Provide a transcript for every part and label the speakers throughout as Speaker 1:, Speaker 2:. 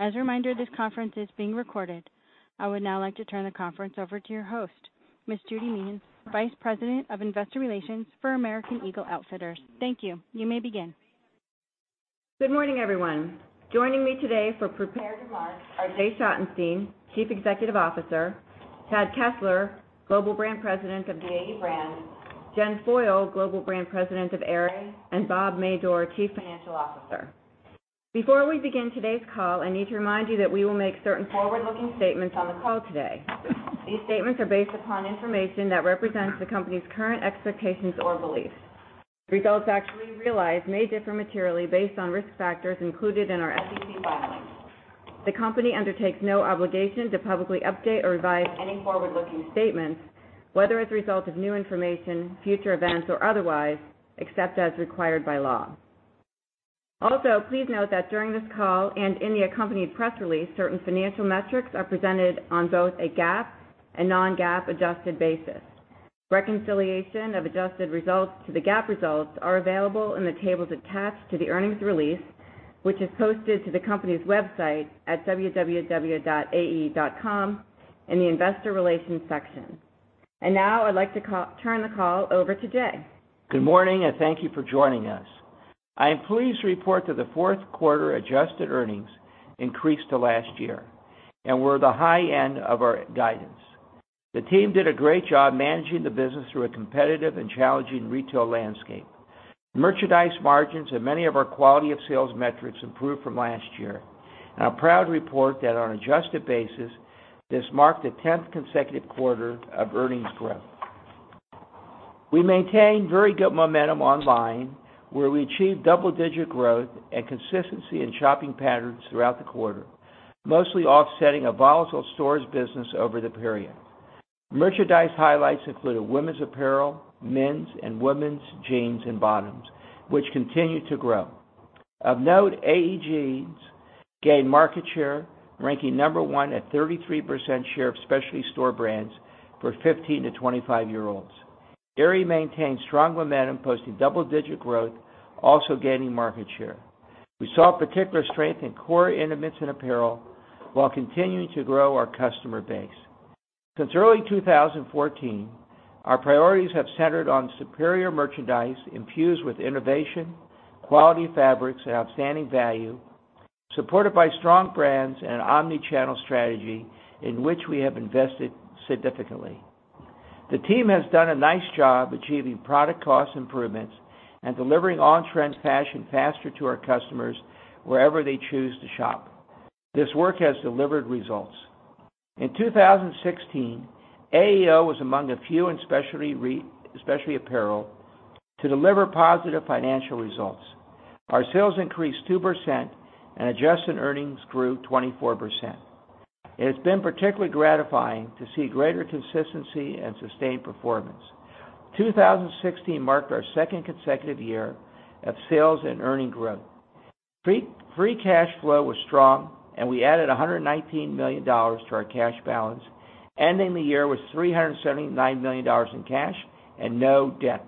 Speaker 1: As a reminder, this conference is being recorded. I would now like to turn the conference over to your host, Ms. Judy Meehan, Vice President of Investor Relations for American Eagle Outfitters. Thank you. You may begin.
Speaker 2: Good morning, everyone. Joining me today for prepared slides are Jay Schottenstein, Chief Executive Officer, Chad Kessler, Global Brand President of the AE brand, Jen Foyle, Global Brand President of Aerie, and Bob Madore, Chief Financial Officer. Before we begin today's call, I need to remind you that we will make certain forward-looking statements on the call today. These statements are based upon information that represents the company's current expectations or beliefs. Results actually realized may differ materially based on risk factors included in our SEC filings. The company undertakes no obligation to publicly update or revise any forward-looking statements, whether as a result of new information, future events, or otherwise, except as required by law. Also, please note that during this call and in the accompanied press release, certain financial metrics are presented on both a GAAP and non-GAAP adjusted basis. Reconciliation of adjusted results to the GAAP results are available in the tables attached to the earnings release, which is posted to the company's website at www.ae.com in the investor relations section. Now I'd like to turn the call over to Jay.
Speaker 3: Good morning. Thank you for joining us. I am pleased to report that the fourth quarter adjusted earnings increased to last year and were the high end of our guidance. The team did a great job managing the business through a competitive and challenging retail landscape. Merchandise margins and many of our quality of sales metrics improved from last year. I'm proud to report that on an adjusted basis, this marked a 10th consecutive quarter of earnings growth. We maintained very good momentum online, where we achieved double-digit growth and consistency in shopping patterns throughout the quarter, mostly offsetting a volatile stores business over the period. Merchandise highlights included women's apparel, men's and women's jeans and bottoms, which continued to grow. Of note, AE jeans gained market share, ranking number 1 at 33% share of specialty store brands for 15-25-year-olds. Aerie maintained strong momentum, posting double-digit growth, also gaining market share. We saw particular strength in core intimates and apparel while continuing to grow our customer base. Since early 2014, our priorities have centered on superior merchandise infused with innovation, quality fabrics, and outstanding value, supported by strong brands and an omni-channel strategy in which we have invested significantly. The team has done a nice job achieving product cost improvements and delivering on-trend fashion faster to our customers wherever they choose to shop. This work has delivered results. In 2016, AEO was among a few in specialty apparel to deliver positive financial results. Our sales increased 2% and adjusted earnings grew 24%. It has been particularly gratifying to see greater consistency and sustained performance. 2016 marked our second consecutive year of sales and earning growth. Free cash flow was strong. We added $119 million to our cash balance, ending the year with $379 million in cash and no debt.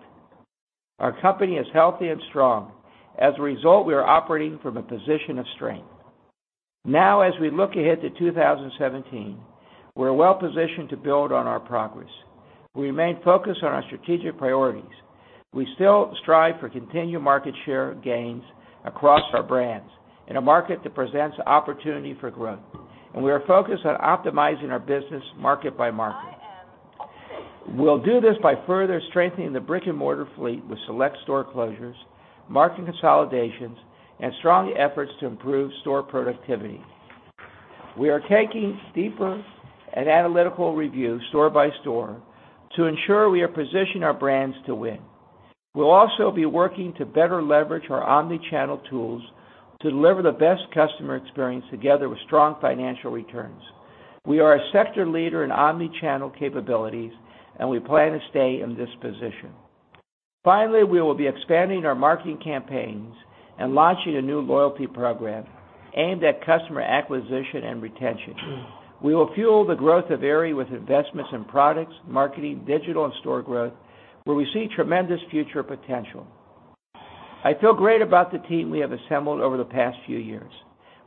Speaker 3: Our company is healthy and strong. As a result, we are operating from a position of strength. As we look ahead to 2017, we're well-positioned to build on our progress. We remain focused on our strategic priorities. We still strive for continued market share gains across our brands in a market that presents opportunity for growth. We are focused on optimizing our business market by market. We'll do this by further strengthening the brick-and-mortar fleet with select store closures, marketing consolidations, and strong efforts to improve store productivity. We are taking deeper and analytical review store by store to ensure we are positioning our brands to win. We'll also be working to better leverage our omni-channel tools to deliver the best customer experience together with strong financial returns. We are a sector leader in omni-channel capabilities, and we plan to stay in this position. Finally, we will be expanding our marketing campaigns and launching a new loyalty program aimed at customer acquisition and retention. We will fuel the growth of Aerie with investments in products, marketing, digital, and store growth, where we see tremendous future potential. I feel great about the team we have assembled over the past few years.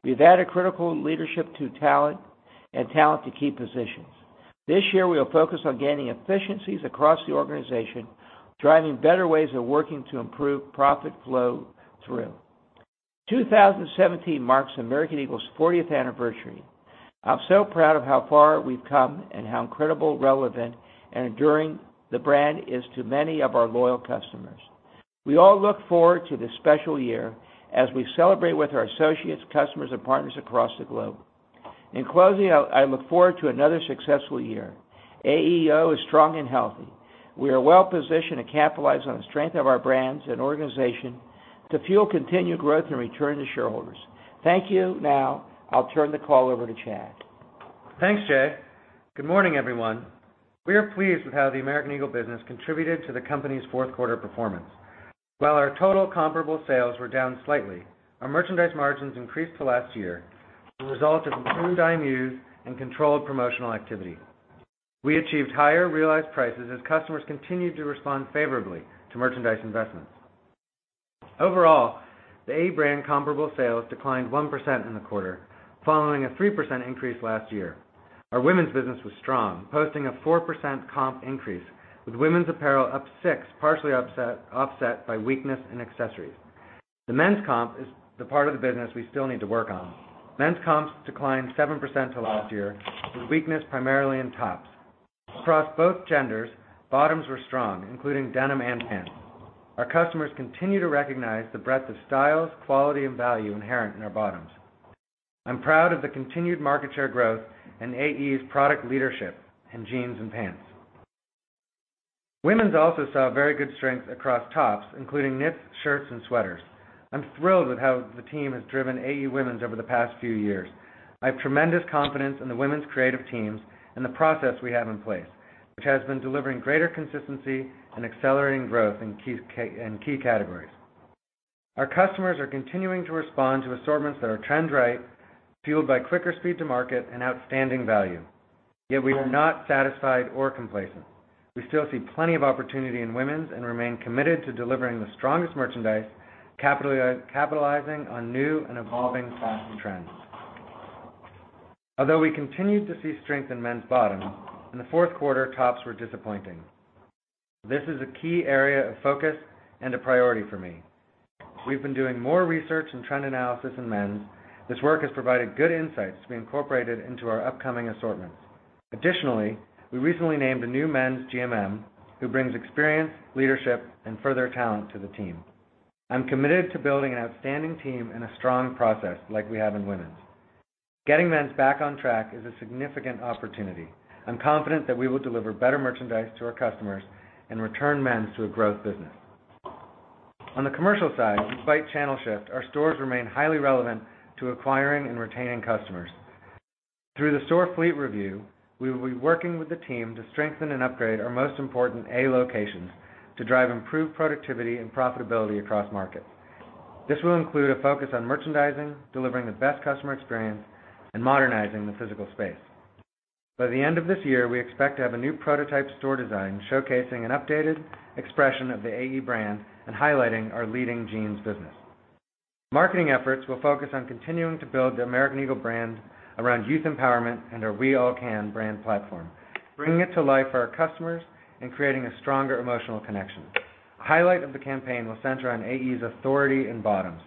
Speaker 3: We've added critical leadership to talent and talent to key positions. This year, we will focus on gaining efficiencies across the organization, driving better ways of working to improve profit flow through. 2017 marks American Eagle's 40th anniversary. I'm so proud of how far we've come and how incredibly relevant and enduring the brand is to many of our loyal customers. We all look forward to this special year as we celebrate with our associates, customers, and partners across the globe. In closing, I look forward to another successful year. AEO is strong and healthy. We are well-positioned to capitalize on the strength of our brands and organization to fuel continued growth and return to shareholders. Thank you. I'll turn the call over to Chad.
Speaker 4: Thanks, Jay. Good morning, everyone. We are pleased with how the American Eagle business contributed to the company's fourth-quarter performance. While our total comparable sales were down slightly, our merchandise margins increased to last year as a result of improved IMUs and controlled promotional activity. We achieved higher realized prices as customers continued to respond favorably to merchandise investments. Overall, the AE brand comparable sales declined 1% in the quarter, following a 3% increase last year. Our women's business was strong, posting a 4% comp increase, with women's apparel up 6%, partially offset by weakness in accessories. The men's comp is the part of the business we still need to work on. Men's comps declined 7% to last year, with weakness primarily in tops. Across both genders, bottoms were strong, including denim and pants. Our customers continue to recognize the breadth of styles, quality, and value inherent in our bottoms. I'm proud of the continued market share growth and AE's product leadership in jeans and pants. Women's also saw very good strength across tops, including knits, shirts, and sweaters. I'm thrilled with how the team has driven AE Women's over the past few years. I have tremendous confidence in the women's creative teams and the process we have in place, which has been delivering greater consistency and accelerating growth in key categories. We are not satisfied or complacent. We still see plenty of opportunity in women's and remain committed to delivering the strongest merchandise, capitalizing on new and evolving fashion trends. We continued to see strength in men's bottoms, in the fourth quarter, tops were disappointing. This is a key area of focus and a priority for me. We've been doing more research and trend analysis in men's. This work has provided good insights to be incorporated into our upcoming assortments. Additionally, we recently named a new men's GMM who brings experience, leadership, and further talent to the team. I'm committed to building an outstanding team and a strong process like we have in women's. Getting men's back on track is a significant opportunity. I'm confident that we will deliver better merchandise to our customers and return men's to a growth business. On the commercial side, despite channel shift, our stores remain highly relevant to acquiring and retaining customers. Through the store fleet review, we will be working with the team to strengthen and upgrade our most important A locations to drive improved productivity and profitability across markets. This will include a focus on merchandising, delivering the best customer experience, and modernizing the physical space. By the end of this year, we expect to have a new prototype store design showcasing an updated expression of the AE brand and highlighting our leading jeans business. Marketing efforts will focus on continuing to build the American Eagle brand around youth empowerment and our We All Can brand platform, bringing it to life for our customers and creating a stronger emotional connection. Highlight of the campaign will center on AE's authority in bottoms,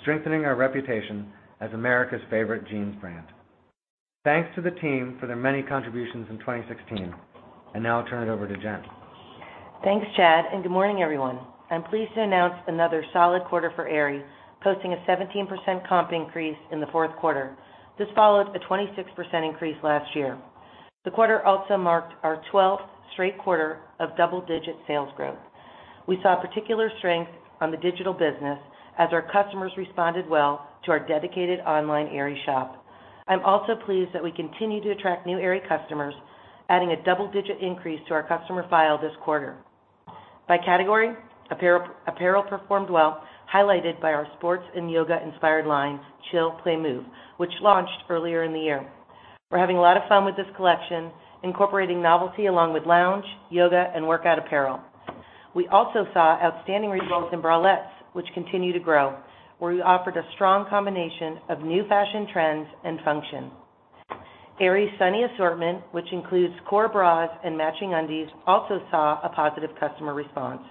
Speaker 4: strengthening our reputation as America's favorite jeans brand. Thanks to the team for their many contributions in 2016. Now I'll turn it over to Jen.
Speaker 5: Thanks, Chad, and good morning, everyone. I'm pleased to announce another solid quarter for Aerie, posting a 17% comp increase in the fourth quarter. This followed a 26% increase last year. The quarter also marked our 12th straight quarter of double-digit sales growth. We saw particular strength on the digital business as our customers responded well to our dedicated online Aerie shop. I'm also pleased that we continue to attract new Aerie customers, adding a double-digit increase to our customer file this quarter. By category, apparel performed well, highlighted by our sports and yoga-inspired lines, Chill, Play, Move, which launched earlier in the year. We're having a lot of fun with this collection, incorporating novelty along with lounge, yoga, and workout apparel. We also saw outstanding results in bralettes, which continue to grow, where we offered a strong combination of new fashion trends and function. Aerie's Sunnie assortment, which includes core bras and matching undies, also saw a positive customer response.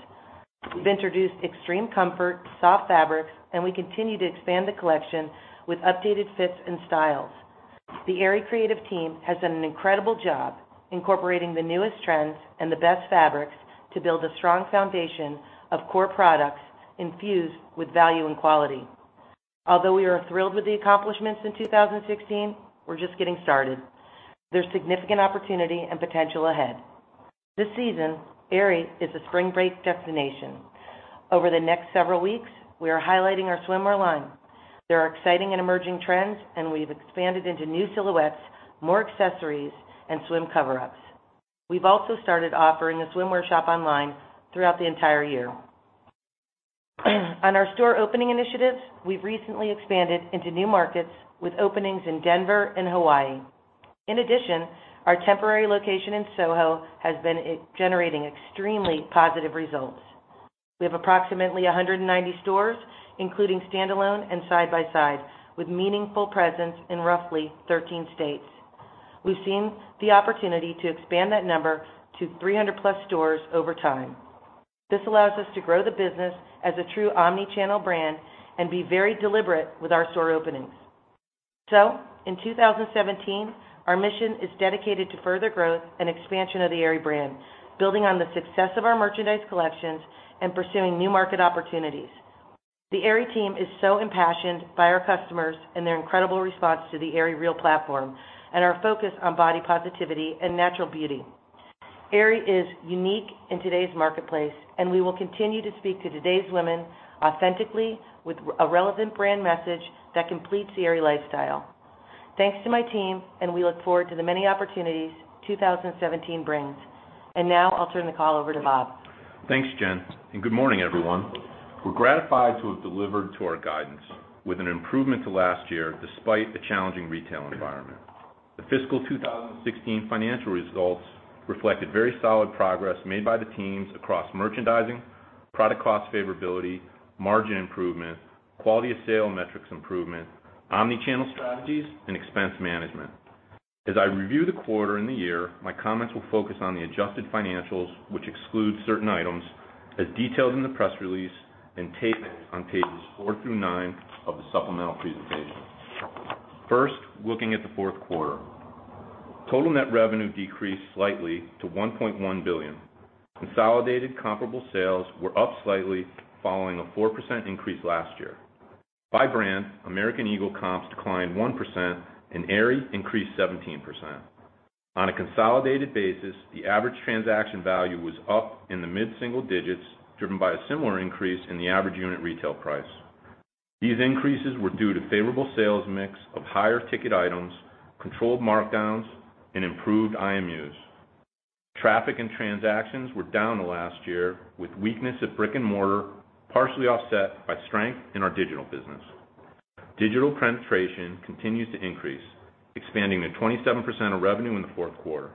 Speaker 5: We've introduced extreme comfort, soft fabrics, and we continue to expand the collection with updated fits and styles. The Aerie creative team has done an incredible job incorporating the newest trends and the best fabrics to build a strong foundation of core products infused with value and quality. Although we are thrilled with the accomplishments in 2016, we're just getting started. There's significant opportunity and potential ahead. This season, Aerie is a spring break destination. Over the next several weeks, we are highlighting our swimwear line. There are exciting and emerging trends, and we've expanded into new silhouettes, more accessories, and swim coverups. We've also started offering the swimwear shop online throughout the entire year. On our store opening initiatives, we've recently expanded into new markets with openings in Denver and Hawaii. In addition, our temporary location in Soho has been generating extremely positive results. We have approximately 190 stores, including standalone and side by side, with meaningful presence in roughly 13 states. We've seen the opportunity to expand that number to 300-plus stores over time. This allows us to grow the business as a true omni-channel brand and be very deliberate with our store openings. In 2017, our mission is dedicated to further growth and expansion of the Aerie brand, building on the success of our merchandise collections and pursuing new market opportunities. The Aerie team is so impassioned by our customers and their incredible response to the Aerie Real platform and our focus on body positivity and natural beauty. Aerie is unique in today's marketplace, and we will continue to speak to today's women authentically with a relevant brand message that completes the Aerie lifestyle. Thanks to my team, we look forward to the many opportunities 2017 brings. Now I'll turn the call over to Bob.
Speaker 6: Thanks, Jen, and good morning, everyone. We're gratified to have delivered to our guidance with an improvement to last year despite the challenging retail environment. The fiscal 2016 financial results reflected very solid progress made by the teams across merchandising, product cost favorability, margin improvement, quality of sale metrics improvement, omni-channel strategies, and expense management. As I review the quarter and the year, my comments will focus on the adjusted financials, which excludes certain items, as detailed in the press release and tables on pages four through nine of the supplemental presentation. First, looking at the fourth quarter. Total net revenue decreased slightly to $1.1 billion. Consolidated comparable sales were up slightly following a 4% increase last year. By brand, American Eagle comps declined 1% and Aerie increased 17%. On a consolidated basis, the average transaction value was up in the mid-single digits, driven by a similar increase in the average unit retail price. These increases were due to favorable sales mix of higher ticket items, controlled markdowns, and improved IMUs. Traffic and transactions were down last year, with weakness at brick-and-mortar partially offset by strength in our digital business. Digital penetration continues to increase, expanding to 27% of revenue in the fourth quarter.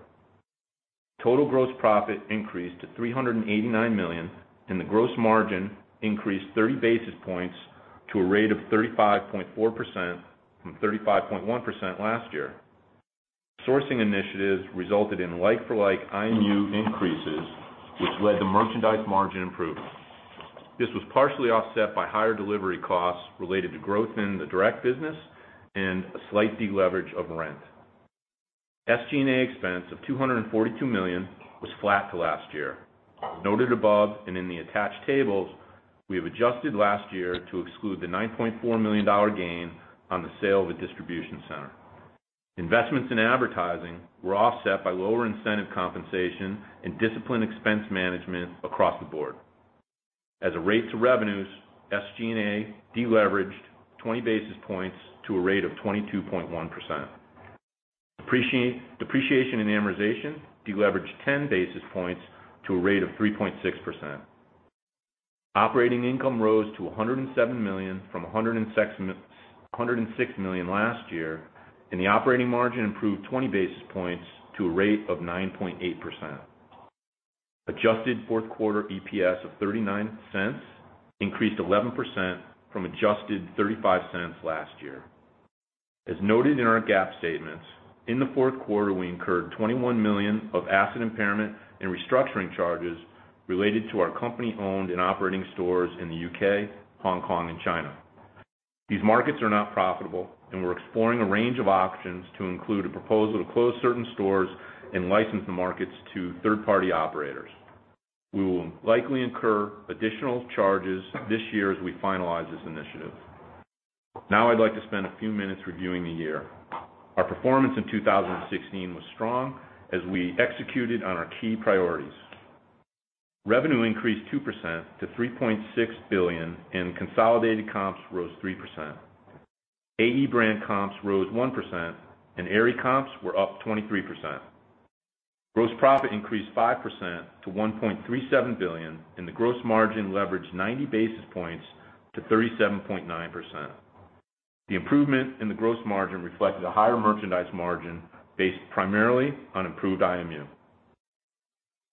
Speaker 6: Total gross profit increased to $389 million, and the gross margin increased 30 basis points to a rate of 35.4% from 35.1% last year. Sourcing initiatives resulted in like-for-like IMU increases, which led to merchandise margin improvement. This was partially offset by higher delivery costs related to growth in the direct business and a slight de-leverage of rent. SG&A expense of $242 million was flat to last year. Noted above, and in the attached tables, we have adjusted last year to exclude the $9.4 million gain on the sale of a distribution center. Investments in advertising were offset by lower incentive compensation and disciplined expense management across the board. As a rate to revenues, SG&A de-leveraged 20 basis points to a rate of 22.1%. Depreciation and amortization de-leveraged 10 basis points to a rate of 3.6%. Operating income rose to $107 million from $106 million last year, and the operating margin improved 20 basis points to a rate of 9.8%. Adjusted fourth quarter EPS of $0.39 increased 11% from adjusted $0.35 last year. As noted in our GAAP statements, in the fourth quarter, we incurred $21 million of asset impairment and restructuring charges related to our company-owned and operating stores in the U.K., Hong Kong, and China. These markets are not profitable, and we're exploring a range of options to include a proposal to close certain stores and license the markets to third-party operators. We will likely incur additional charges this year as we finalize this initiative. Now I'd like to spend a few minutes reviewing the year. Our performance in 2016 was strong, as we executed on our key priorities. Revenue increased 2% to $3.6 billion and consolidated comps rose 3%. AE brand comps rose 1% and Aerie comps were up 23%. Gross profit increased 5% to $1.37 billion and the gross margin leveraged 90 basis points to 37.9%. The improvement in the gross margin reflected a higher merchandise margin based primarily on improved IMU.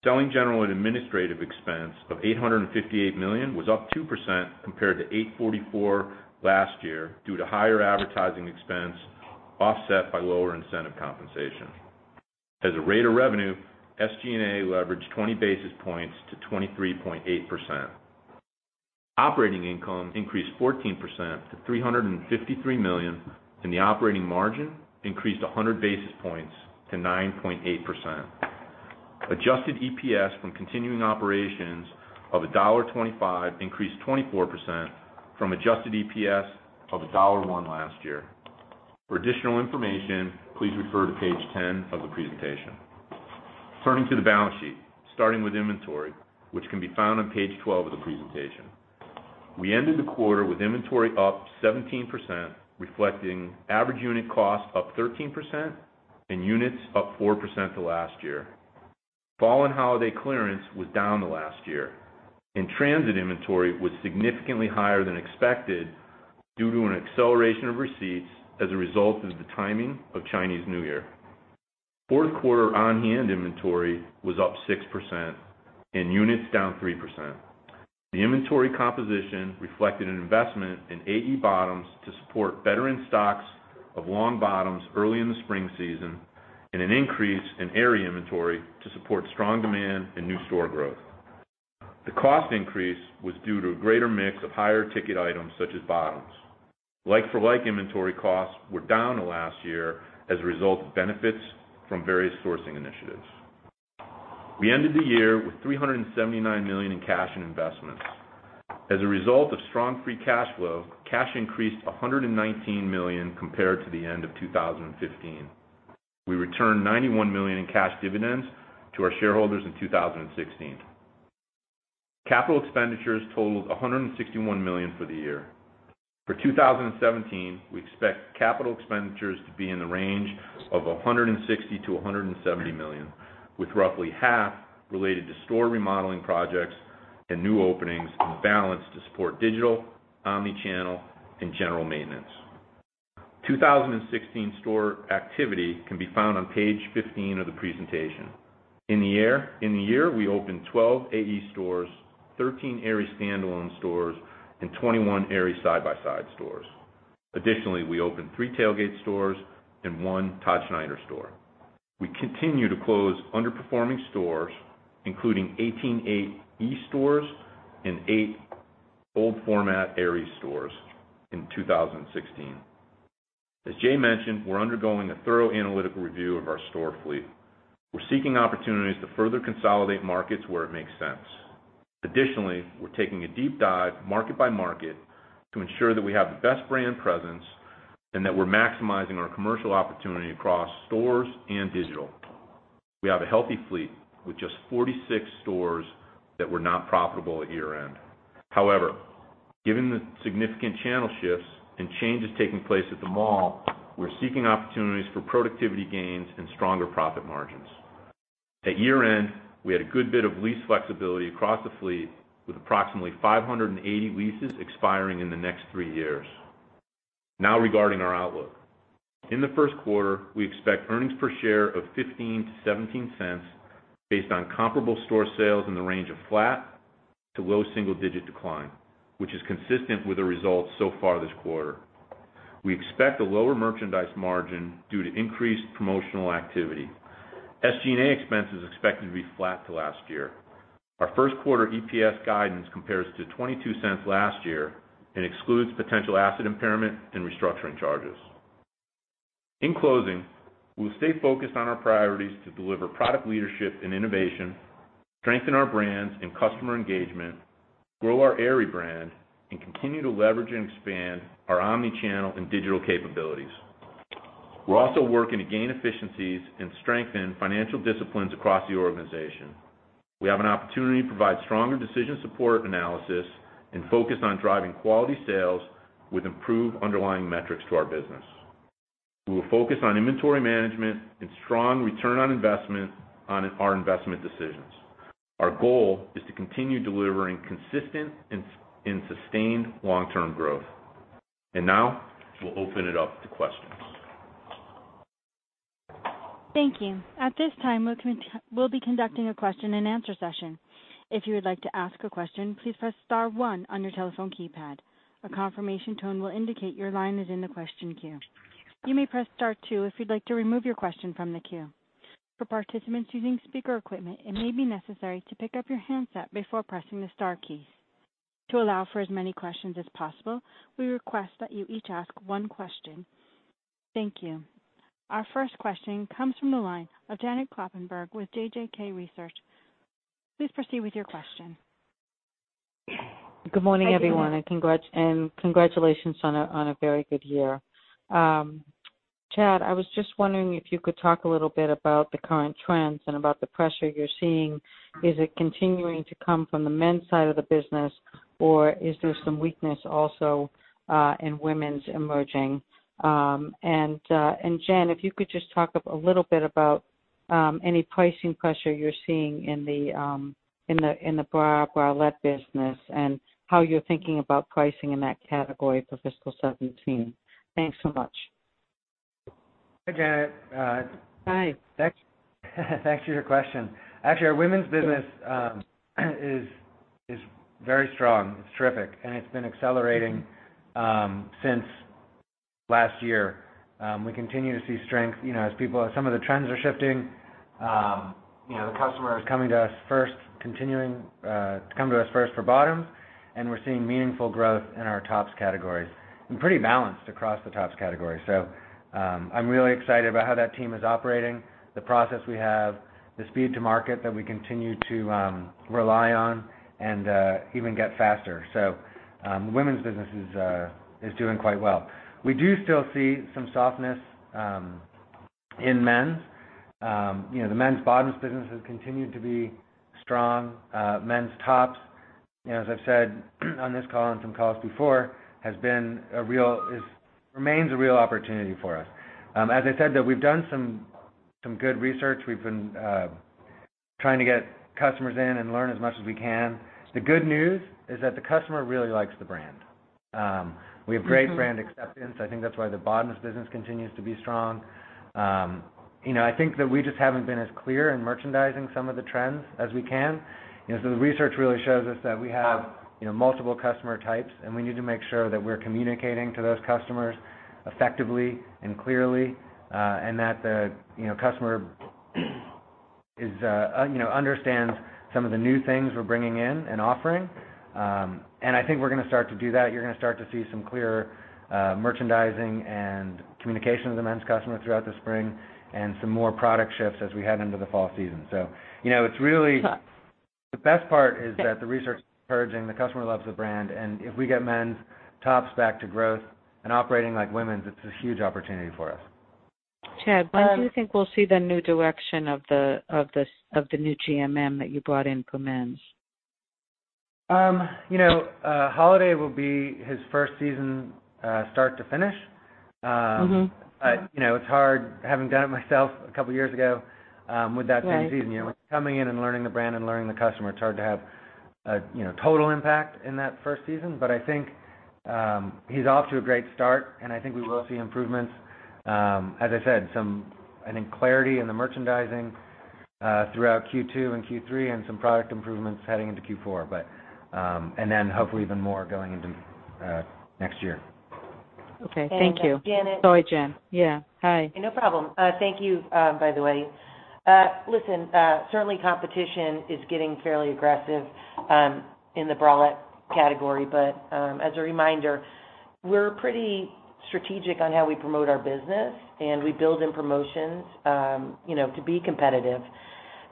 Speaker 6: Selling, general, and administrative expense of $858 million was up 2% compared to $844 last year due to higher advertising expense offset by lower incentive compensation. As a rate of revenue, SG&A leveraged 20 basis points to 23.8%. Operating income increased 14% to $353 million and the operating margin increased 100 basis points to 9.8%. Adjusted EPS from continuing operations of $1.25 increased 24% from adjusted EPS of $1.01 last year. For additional information, please refer to page 10 of the presentation. Turning to the balance sheet, starting with inventory, which can be found on page 12 of the presentation. We ended the quarter with inventory up 17%, reflecting average unit cost up 13% and units up 4% to last year. Fall and holiday clearance was down to last year and transit inventory was significantly higher than expected due to an acceleration of receipts as a result of the timing of Chinese New Year. Fourth quarter on-hand inventory was up 6% and units down 3%. The inventory composition reflected an investment in AE bottoms to support veteran stocks of long bottoms early in the spring season and an increase in Aerie inventory to support strong demand and new store growth. The cost increase was due to a greater mix of higher ticket items such as bottoms. Like-for-like inventory costs were down to last year as a result of benefits from various sourcing initiatives. We ended the year with $379 million in cash and investments. As a result of strong free cash flow, cash increased $119 million compared to the end of 2015. We returned $91 million in cash dividends to our shareholders in 2016. Capital expenditures totaled $161 million for the year. For 2017, we expect capital expenditures to be in the range of $160-$170 million, with roughly half related to store remodeling projects. New openings are balanced to support digital, omni-channel, and general maintenance. 2016 store activity can be found on page 15 of the presentation. In the year, we opened 12 AE stores, 13 Aerie standalone stores, and 21 Aerie side-by-side stores. Additionally, we opened three Tailgate stores and one Todd Snyder store. We continue to close underperforming stores, including 18 AE stores and eight old format Aerie stores in 2016. As Jay mentioned, we're undergoing a thorough analytical review of our store fleet. We're seeking opportunities to further consolidate markets where it makes sense. Additionally, we're taking a deep dive market by market to ensure that we have the best brand presence and that we're maximizing our commercial opportunity across stores and digital. We have a healthy fleet with just 46 stores that were not profitable at year-end. However, given the significant channel shifts and changes taking place at the mall, we're seeking opportunities for productivity gains and stronger profit margins. At year-end, we had a good bit of lease flexibility across the fleet, with approximately 580 leases expiring in the next three years. Regarding our outlook. In the first quarter, we expect earnings per share of $0.15-$0.17 based on comparable store sales in the range of flat to low single-digit decline, which is consistent with the results so far this quarter. We expect a lower merchandise margin due to increased promotional activity. SG&A expense is expected to be flat to last year. Our first quarter EPS guidance compares to $0.22 last year and excludes potential asset impairment and restructuring charges. In closing, we will stay focused on our priorities to deliver product leadership and innovation, strengthen our brands and customer engagement, grow our Aerie brand, and continue to leverage and expand our omni-channel and digital capabilities. We're also working to gain efficiencies and strengthen financial disciplines across the organization. We have an opportunity to provide stronger decision support analysis and focus on driving quality sales with improved underlying metrics to our business. We will focus on inventory management and strong return on investment on our investment decisions. Now, we'll open it up to questions.
Speaker 1: Thank you. At this time, we'll be conducting a question and answer session. If you would like to ask a question, please press star one on your telephone keypad. A confirmation tone will indicate your line is in the question queue. You may press star two if you'd like to remove your question from the queue. For participants using speaker equipment, it may be necessary to pick up your handset before pressing the star keys. To allow for as many questions as possible, we request that you each ask one question. Thank you. Our first question comes from the line of Janet Kloppenburg with JJK Research. Please proceed with your question.
Speaker 7: Good morning, everyone, and congratulations on a very good year. Chad, I was just wondering if you could talk a little bit about the current trends and about the pressure you're seeing. Is it continuing to come from the men's side of the business, or are there some weaknesses also in women's emerging? Jen, if you could just talk up a little bit about any pricing pressure you're seeing in the bra or bralette business and how you're thinking about pricing in that category for fiscal 2017. Thanks so much.
Speaker 4: Hi, Janet.
Speaker 7: Hi.
Speaker 6: Thanks for your question. Actually, our women's business is very strong. It's terrific, and it's been accelerating since last year. We continue to see strength as some of the trends are shifting. The customer is coming to us first for bottoms, and we're seeing meaningful growth in our tops categories, and pretty balanced across the tops categories. I'm really excited about how that team is operating, the process we have, the speed to market that we continue to rely on and even get faster. The women's business is doing quite well. We do still see some softness in men's. The men's bottoms business has continued to be strong. Men's tops, as I've said on this call and some calls before, remains a real opportunity for us. As I said, though, we've done some good research. We've been trying to get customers in and learn as much as we can. The good news is that the customer really likes the brand. We have great brand acceptance. I think that's why the bottoms business continues to be strong. I think that we just haven't been as clear in merchandising some of the trends as we can. The research really shows us that we have multiple customer types, and we need to make sure that we're communicating to those customers effectively and clearly, and that the customer understands some of the new things we're bringing in and offering. I think we're going to start to do that. You're going to start to see some clearer merchandising and communication with the men's customer throughout the spring and some more product shifts as we head into the fall season. The best part is that the research is encouraging. The customer loves the brand, and if we get men's tops back to growth and operating like women's, it's a huge opportunity for us.
Speaker 7: Chad, when do you think we'll see the new direction of the new GMM that you brought in for men's?
Speaker 4: Holiday will be his first season start to finish.
Speaker 6: It's hard, having done it myself a couple of years ago with that same season. Coming in and learning the brand and learning the customer, it's hard to have a total impact in that first season. I think he's off to a great start, and I think we will see improvements. As I said, some, I think, clarity in the merchandising throughout Q2 and Q3, and some product improvements heading into Q4. Then hopefully even more going into next year.
Speaker 7: Okay, thank you.
Speaker 5: Janet.
Speaker 7: Sorry, Jen. Yeah. Hi.
Speaker 5: No problem. Thank you, by the way. Listen, certainly competition is getting fairly aggressive in the bralette category. As a reminder, we're pretty strategic on how we promote our business, and we build in promotions to be competitive.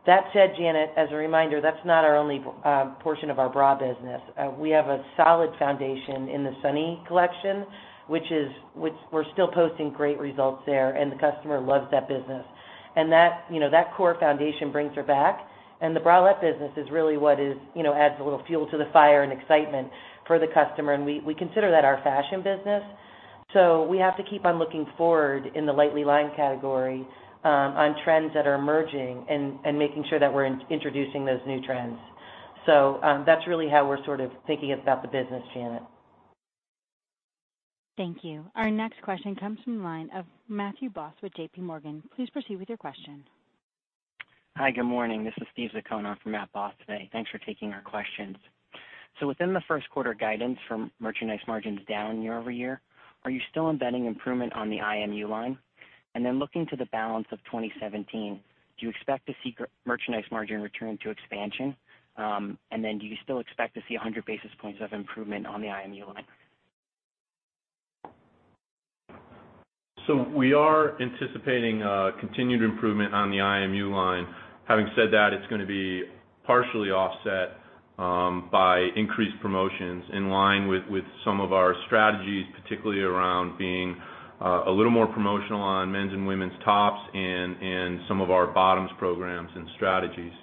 Speaker 5: That said, Janet, as a reminder, that's not our only portion of our bra business. We have a solid foundation in the Sunnie collection, which we're still posting great results there, and the customer loves that business. That core foundation brings her back. The bralette business is really what adds a little fuel to the fire and excitement for the customer, and we consider that our fashion business. We have to keep on looking forward in the lightly lined category on trends that are emerging and making sure that we're introducing those new trends. That's really how we're sort of thinking about the business, Janet.
Speaker 1: Thank you. Our next question comes from the line of Matthew Boss with JPMorgan. Please proceed with your question.
Speaker 8: Hi, good morning. This is Steven Zaccone on for Matt Boss today. Thanks for taking our questions. Within the first quarter guidance from merchandise margins down year-over-year, are you still embedding improvement on the IMU line? Looking to the balance of 2017, do you expect to see merchandise margin return to expansion? Do you still expect to see 100 basis points of improvement on the IMU line?
Speaker 6: We are anticipating a continued improvement on the IMU line. Having said that, it's going to be partially offset by increased promotions in line with some of our strategies, particularly around being a little more promotional on men's and women's tops and in some of our bottoms programs and strategies.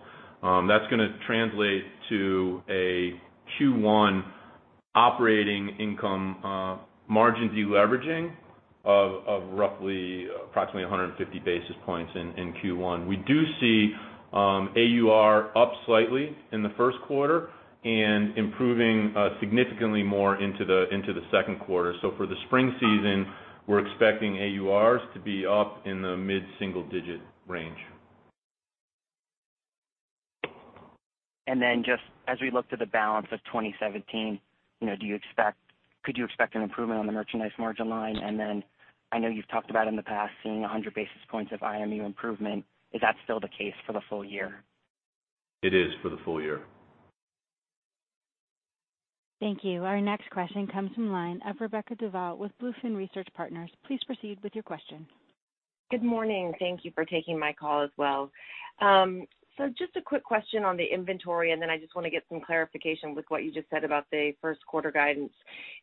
Speaker 6: That's going to translate to a Q1 operating income margin deleveraging of roughly approximately 150 basis points in Q1. We do see AUR up slightly in the first quarter and improving significantly more into the second quarter. For the spring season, we're expecting AURs to be up in the mid-single-digit range.
Speaker 8: Just as we look to the balance of 2017, could you expect an improvement on the merchandise margin line? I know you've talked about in the past, seeing 100 basis points of IMU improvement. Is that still the case for the full year?
Speaker 6: It is for the full year.
Speaker 1: Thank you. Our next question comes from line of Rebecca Duval with BlueFin Research Partners. Please proceed with your question.
Speaker 9: Good morning. Thank you for taking my call as well. Just a quick question on the inventory, I just want to get some clarification with what you just said about the first quarter guidance.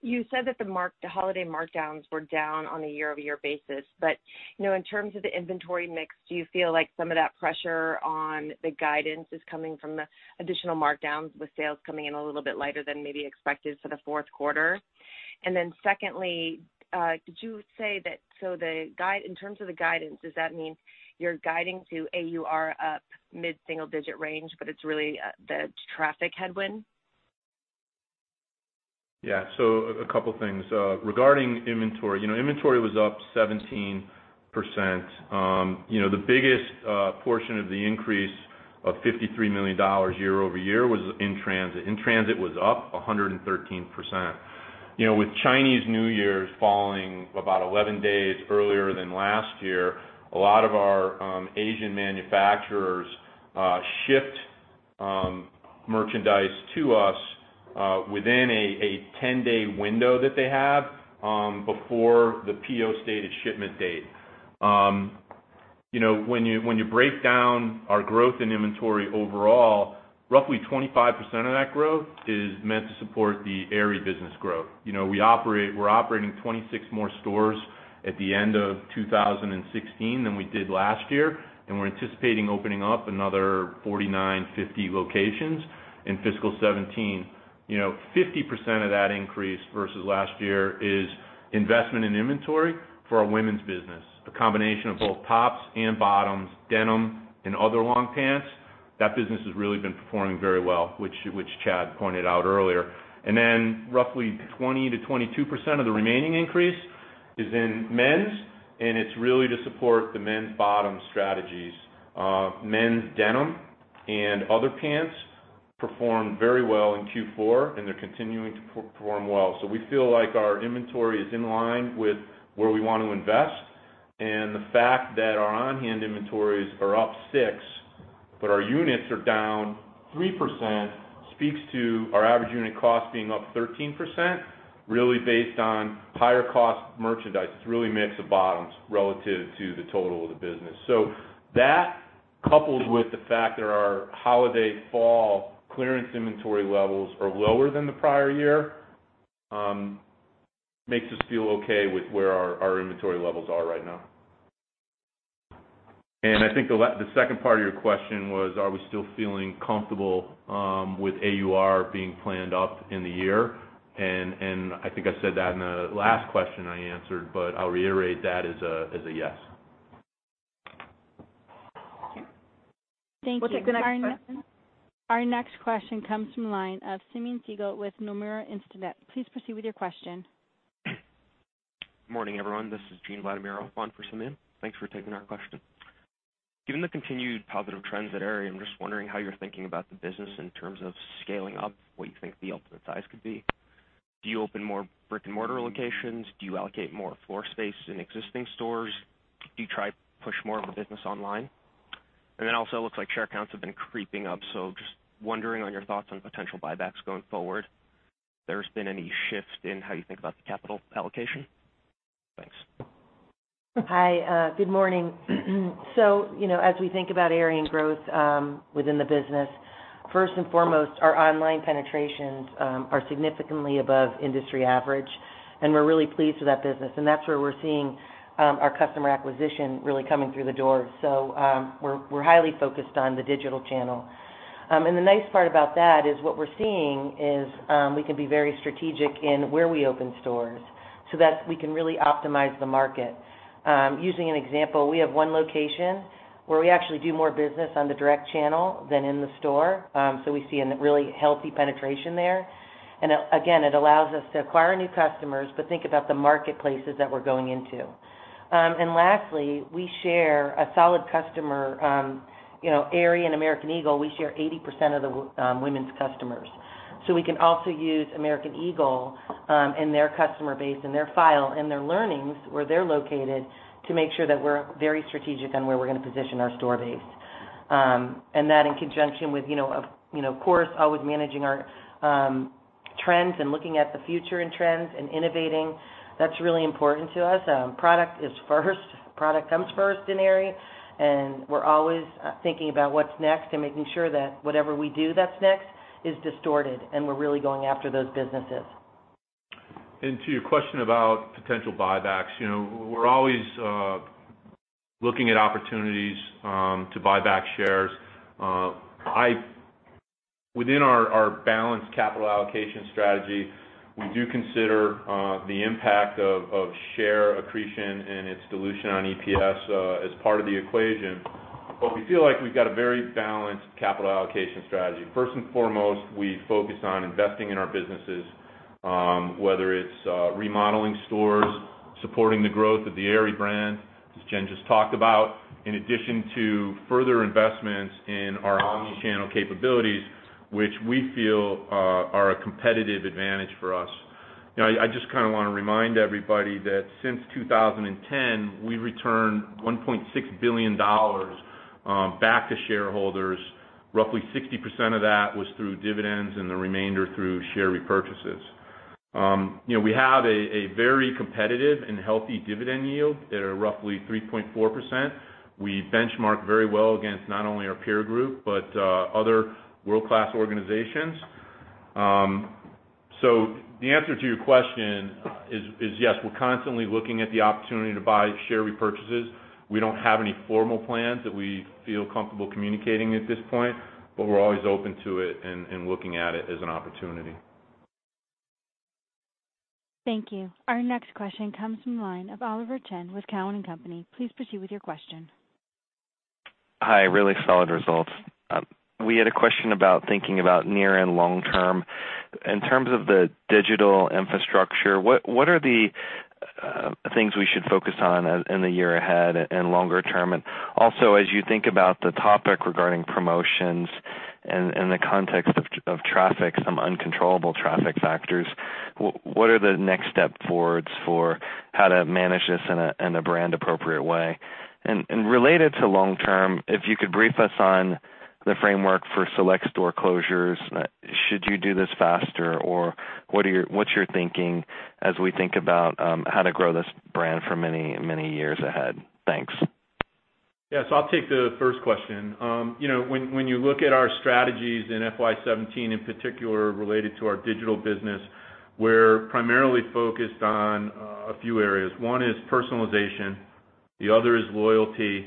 Speaker 9: You said that the holiday markdowns were down on a year-over-year basis, in terms of the inventory mix, do you feel like some of that pressure on the guidance is coming from the additional markdowns with sales coming in a little bit lighter than maybe expected for the fourth quarter? Secondly, did you say that in terms of the guidance, does that mean you're guiding to AUR up mid-single-digit range, but it's really the traffic headwind?
Speaker 6: A couple things. Regarding inventory was up 17%. The biggest portion of the increase of $53 million year-over-year was in transit. In transit was up 113%. With Chinese New Year falling about 11 days earlier than last year, a lot of our Asian manufacturers shipped merchandise to us within a 10-day window that they have before the PO stated shipment date. When you break down our growth in inventory overall, roughly 25% of that growth is meant to support the Aerie business growth. We're operating 26 more stores at the end of 2016 than we did last year, and we're anticipating opening up another 49, 50 locations in fiscal 2017. 50% of that increase versus last year is investment in inventory for our women's business. A combination of both tops and bottoms, denim, and other long pants. That business has really been performing very well, which Chad pointed out earlier. Roughly 20%-22% of the remaining increase is in men's, it's really to support the men's bottom strategies. Men's denim and other pants performed very well in Q4, they're continuing to perform well. We feel like our inventory is in line with where we want to invest. The fact that our on-hand inventories are up 6%, but our units are down 3%, speaks to our average unit cost being up 13%, really based on higher cost merchandise. It's really mix of bottoms relative to the total of the business. That, coupled with the fact that our holiday fall clearance inventory levels are lower than the prior year, makes us feel okay with where our inventory levels are right now. I think the second part of your question was, are we still feeling comfortable with AUR being planned up in the year? I think I said that in the last question I answered, but I'll reiterate that as a yes.
Speaker 2: Thank you. We'll take the next question.
Speaker 1: Our next question comes from the line of Simeon Siegel with Nomura Instinet. Please proceed with your question.
Speaker 10: Morning, everyone. This is Gene Vladimirov on for Simeon. Thanks for taking our question. Given the continued positive trends at Aerie, I'm just wondering how you're thinking about the business in terms of scaling up, what you think the ultimate size could be. Do you open more brick-and-mortar locations? Do you allocate more floor space in existing stores? Do you try to push more of the business online? It looks like share counts have been creeping up. Just wondering on your thoughts on potential buybacks going forward. If there's been any shift in how you think about the capital allocation. Thanks.
Speaker 5: Hi. Good morning. As we think about Aerie and growth within the business, first and foremost, our online penetrations are significantly above industry average, and we're really pleased with that business. That's where we're seeing our customer acquisition really coming through the door. We're highly focused on the digital channel. The nice part about that is what we're seeing is, we can be very strategic in where we open stores so that we can really optimize the market. Using an example, we have one location where we actually do more business on the direct channel than in the store. We see a really healthy penetration there. Again, it allows us to acquire new customers, but think about the marketplaces that we're going into. Lastly, we share a solid customer. Aerie and American Eagle, we share 80% of the women's customers. We can also use American Eagle and their customer base and their file and their learnings, where they're located, to make sure that we're very strategic on where we're going to position our store base. That in conjunction with, of course, always managing our trends and looking at the future and trends and innovating, that's really important to us. Product is first. Product comes first in Aerie, we're always thinking about what's next and making sure that whatever we do that's next is distorted, we're really going after those businesses.
Speaker 6: To your question about potential buybacks. We're always looking at opportunities to buy back shares. Within our balanced capital allocation strategy, we do consider the impact of share accretion and its dilution on EPS as part of the equation. We feel like we've got a very balanced capital allocation strategy. First and foremost, we focus on investing in our businesses, whether it's remodeling stores, supporting the growth of the Aerie brand, as Jen just talked about, in addition to further investments in our omni-channel capabilities, which we feel are a competitive advantage for us. I just want to remind everybody that since 2010, we returned $1.6 billion back to shareholders. Roughly 60% of that was through dividends and the remainder through share repurchases. We have a very competitive and healthy dividend yield at roughly 3.4%. We benchmark very well against not only our peer group, but other world-class organizations. The answer to your question is yes, we're constantly looking at the opportunity to buy share repurchases. We don't have any formal plans that we feel comfortable communicating at this point, but we're always open to it and looking at it as an opportunity.
Speaker 1: Thank you. Our next question comes from the line of Oliver Chen with Cowen and Company. Please proceed with your question.
Speaker 11: Hi. Really solid results. We had a question about thinking about near and long term. In terms of the digital infrastructure, what are the things we should focus on in the year ahead and longer term? Also, as you think about the topic regarding promotions and the context of traffic, some uncontrollable traffic factors, what are the next step forwards for how to manage this in a brand-appropriate way? Related to long term, if you could brief us on the framework for select store closures. Should you do this faster? Or what's your thinking as we think about how to grow this brand for many, many years ahead? Thanks.
Speaker 6: Yeah. I'll take the first question. When you look at our strategies in FY 2017, in particular related to our digital business, we're primarily focused on a few areas. One is personalization, the other is loyalty,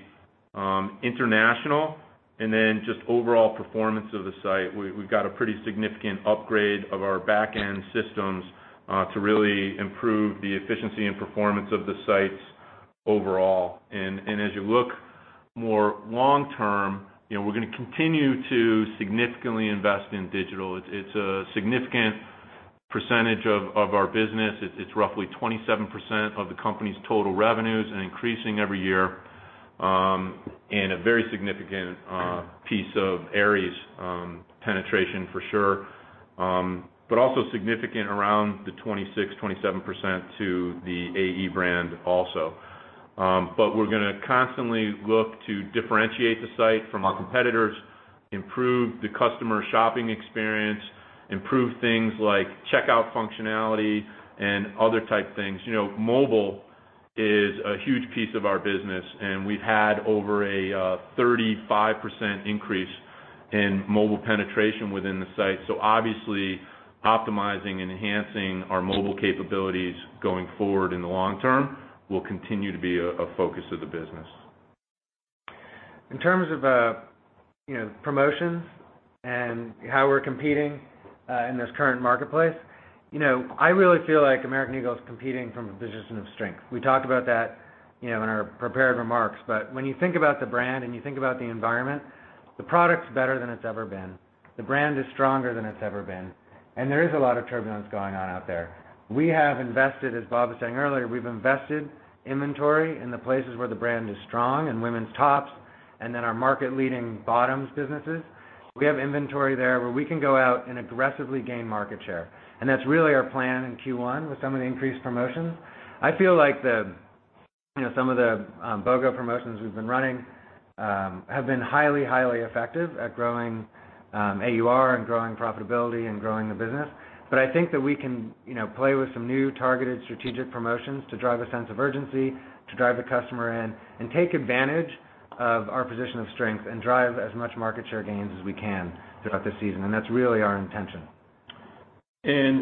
Speaker 6: international, and then just overall performance of the site. We've got a pretty significant upgrade of our back-end systems to really improve the efficiency and performance of the sites overall. As you look more long term, we're going to continue to significantly invest in digital. It's a significant percentage of our business. It's roughly 27% of the company's total revenues and increasing every year, and a very significant piece of Aerie's penetration for sure. Also significant around the 26%-27% to the AE brand also. We're gonna constantly look to differentiate the site from our competitors, improve the customer shopping experience, improve things like checkout functionality and other type things. Mobile is a huge piece of our business. We've had over a 35% increase in mobile penetration within the site. Obviously, optimizing and enhancing our mobile capabilities going forward in the long term will continue to be a focus of the business.
Speaker 4: In terms of promotions and how we're competing in this current marketplace, I really feel like American Eagle is competing from a position of strength. We talked about that in our prepared remarks. When you think about the brand and you think about the environment, the product's better than it's ever been. The brand is stronger than it's ever been. There is a lot of turbulence going on out there. We have invested, as Bob was saying earlier, we've invested inventory in the places where the brand is strong, in women's tops, and then our market-leading bottoms businesses. We have inventory there where we can go out and aggressively gain market share. That's really our plan in Q1 with some of the increased promotions. I feel like some of the BOGO promotions we've been running have been highly effective at growing AUR and growing profitability and growing the business. I think that we can play with some new targeted strategic promotions to drive a sense of urgency, to drive the customer in, and take advantage of our position of strength and drive as much market share gains as we can throughout the season. That's really our intention.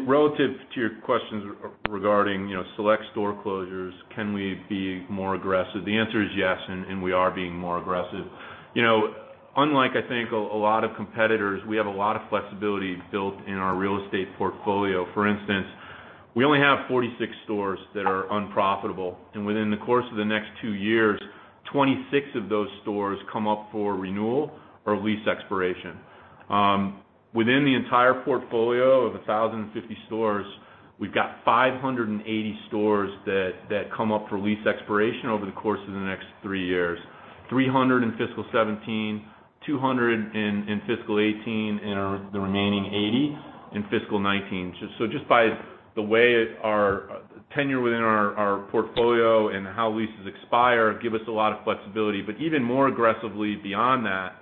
Speaker 6: Relative to your questions regarding select store closures, can we be more aggressive? The answer is yes, and we are being more aggressive. Unlike, I think, a lot of competitors, we have a lot of flexibility built in our real estate portfolio. For instance, we only have 46 stores that are unprofitable. Within the course of the next two years, 26 of those stores come up for renewal or lease expiration. Within the entire portfolio of 1,050 stores, we've got 580 stores that come up for lease expiration over the course of the next three years, 300 in fiscal 2017, 200 in fiscal 2018. The remaining 80 in fiscal 2019. Just by the way our tenure within our portfolio and how leases expire give us a lot of flexibility. Even more aggressively beyond that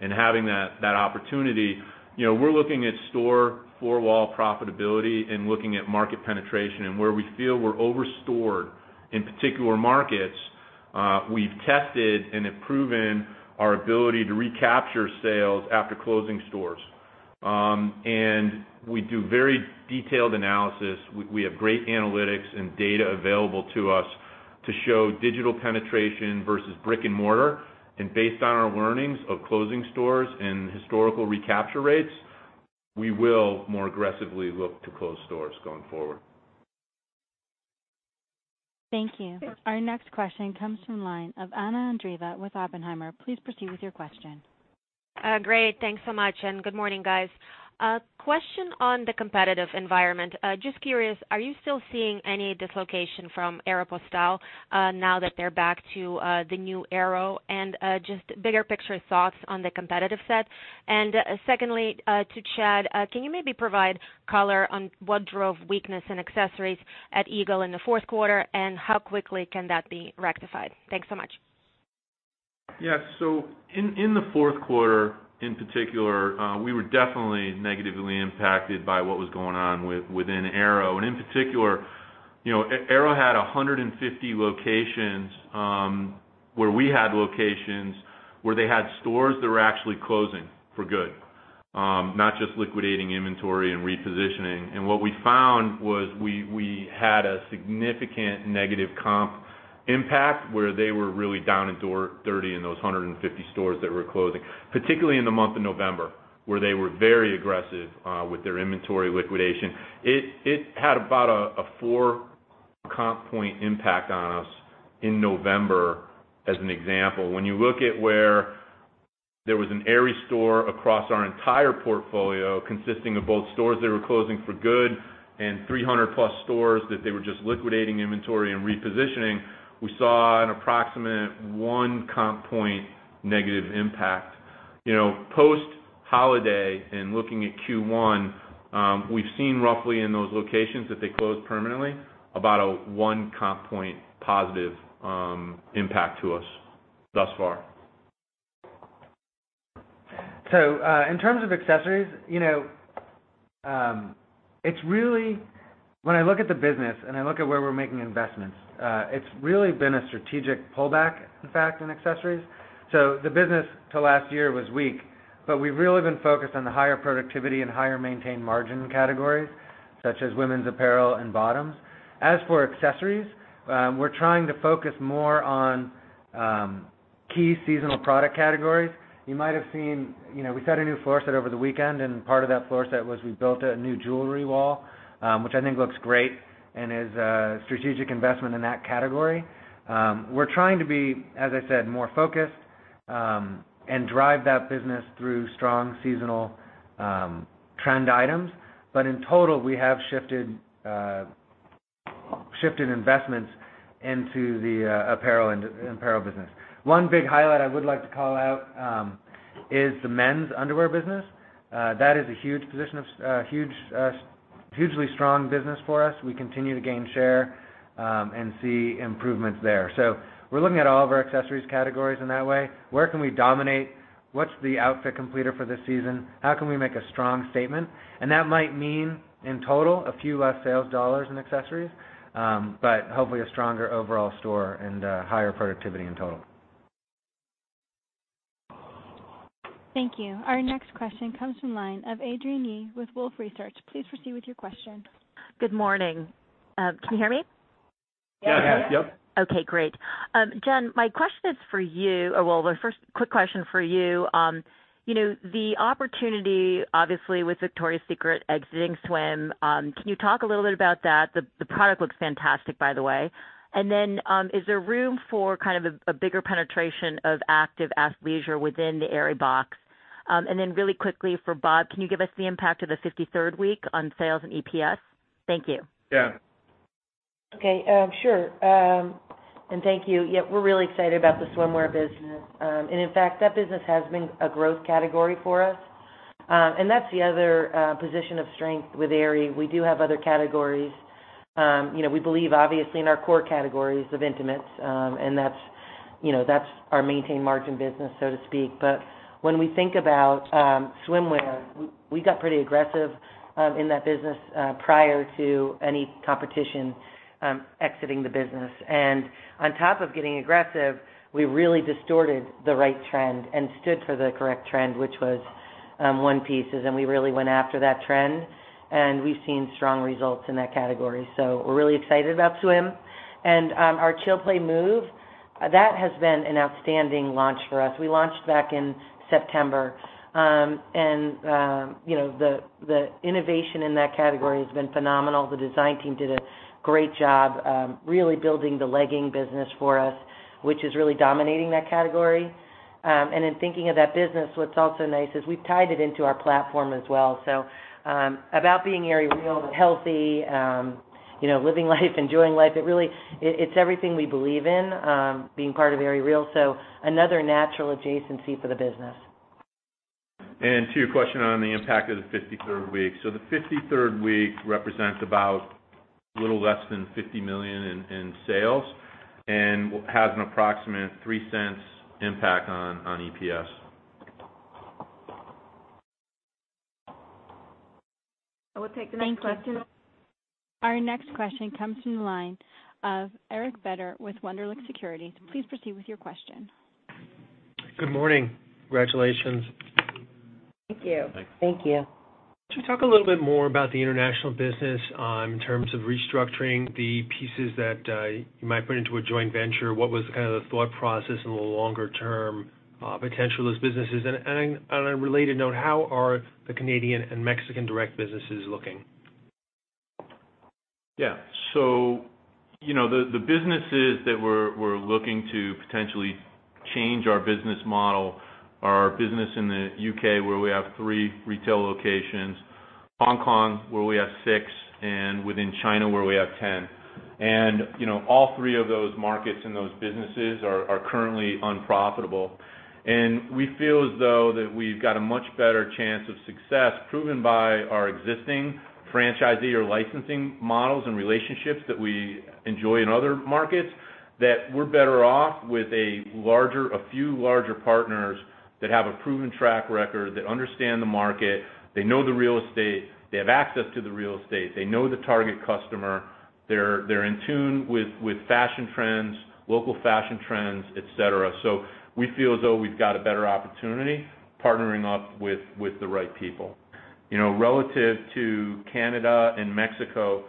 Speaker 6: and having that opportunity, we're looking at store four-wall profitability and looking at market penetration and where we feel we're over-stored in particular markets. We've tested and have proven our ability to recapture sales after closing stores. We do very detailed analysis. We have great analytics and data available to us to show digital penetration versus brick and mortar. Based on our learnings of closing stores and historical recapture rates, we will more aggressively look to close stores going forward.
Speaker 1: Thank you. Our next question comes from the line of Anna Andreeva with Oppenheimer. Please proceed with your question.
Speaker 12: Great. Thanks so much. Good morning, guys. Question on the competitive environment. Just curious, are you still seeing any dislocation from Aéropostale now that they're back to the new Aéro? Just bigger picture thoughts on the competitive set. Secondly, to Chad, can you maybe provide color on what drove weakness in accessories at Eagle in the fourth quarter, and how quickly can that be rectified? Thanks so much.
Speaker 6: In the fourth quarter in particular, we were definitely negatively impacted by what was going on within Aéro. In particular, Aéro had 150 locations where we had locations where they had stores that were actually closing for good, not just liquidating inventory and repositioning. What we found was we had a significant negative comp impact where they were really down and dirty in those 150 stores that were closing, particularly in the month of November, where they were very aggressive with their inventory liquidation. It had about a four comp point impact on us in November, as an example. When you look at where there was an Aerie store across our entire portfolio consisting of both stores that were closing for good and 300 plus stores that they were just liquidating inventory and repositioning, we saw an approximate one comp point negative impact. Post-holiday and looking at Q1, we've seen roughly in those locations that they closed permanently about a one comp point positive impact to us thus far.
Speaker 4: In terms of accessories, when I look at the business and I look at where we're making investments, it's really been a strategic pullback, in fact, in accessories. The business till last year was weak, but we've really been focused on the higher productivity and higher maintained margin categories such as women's apparel and bottoms. As for accessories, we're trying to focus more on key seasonal product categories. You might have seen, we set a new floor set over the weekend, and part of that floor set was we built a new jewelry wall, which I think looks great and is a strategic investment in that category. We're trying to be, as I said, more focused and drive that business through strong seasonal trend items. In total, we have shifted investments into the apparel business. One big highlight I would like to call out is the men's underwear business. That is a hugely strong business for us. We continue to gain share and see improvements there. We're looking at all of our accessories categories in that way. Where can we dominate? What's the outfit completer for this season? How can we make a strong statement? That might mean, in total, a few less sales dollars in accessories, but hopefully a stronger overall store and higher productivity in total.
Speaker 1: Thank you. Our next question comes from the line of Adrienne Yih with Wolfe Research. Please proceed with your question.
Speaker 13: Good morning. Can you hear me?
Speaker 6: Yes.
Speaker 13: Okay, great. Jen, my question is for you. Well, the first quick question for you. The opportunity, obviously, with Victoria's Secret exiting swim, can you talk a little bit about that? The product looks fantastic, by the way. Is there room for a bigger penetration of active athleisure within the Aerie box? Really quickly for Bob Madore, can you give us the impact of the 53rd week on sales and EPS? Thank you.
Speaker 6: Yeah.
Speaker 5: Okay, sure. Thank you. Yeah, we're really excited about the swimwear business. In fact, that business has been a growth category for us. That's the other position of strength with Aerie. We do have other categories. We believe, obviously, in our core categories of intimates, and that's our maintained margin business, so to speak. When we think about swimwear, we got pretty aggressive in that business prior to any competition exiting the business. On top of getting aggressive, we really distorted the right trend and stood for the correct trend, which was one-pieces, and we really went after that trend. We've seen strong results in that category. We're really excited about swim. Our Chill, Play, Move, that has been an outstanding launch for us. We launched back in September. The innovation in that category has been phenomenal. The design team did a great job really building the legging business for us, which is really dominating that category. In thinking of that business, what's also nice is we've tied it into our platform as well. About being Aerie Real and healthy, living life, enjoying life, it's everything we believe in being part of Aerie Real. Another natural adjacency for the business.
Speaker 6: To your question on the impact of the 53rd week. The 53rd week represents about a little less than $50 million in sales and has an approximate $0.03 impact on EPS.
Speaker 13: Thank you.
Speaker 1: I will take the next question. Our next question comes from the line of Eric Beder with Wunderlich Securities. Please proceed with your question.
Speaker 14: Good morning. Congratulations.
Speaker 5: Thank you.
Speaker 6: Thanks.
Speaker 5: Thank you.
Speaker 14: Could you talk a little bit more about the international business in terms of restructuring the pieces that you might put into a joint venture? What was the thought process and the longer-term potential of those businesses? On a related note, how are the Canadian and Mexican direct businesses looking?
Speaker 6: Yeah. The businesses that we're looking to potentially change our business model are our business in the U.K., where we have three retail locations, Hong Kong, where we have six, and within China where we have 10. All three of those markets and those businesses are currently unprofitable. We feel as though that we've got a much better chance of success, proven by our existing franchisee or licensing models and relationships that we enjoy in other markets, that we're better off with a few larger partners that have a proven track record, that understand the market. They know the real estate. They have access to the real estate. They know the target customer. They're in tune with fashion trends, local fashion trends, et cetera. We feel as though we've got a better opportunity partnering up with the right people. Relative to Canada and Mexico,